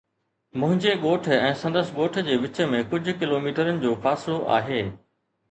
منهنجي ڳوٺ ۽ سندس ڳوٺ جي وچ ۾ ڪجهه ڪلوميٽرن جو فاصلو آهي.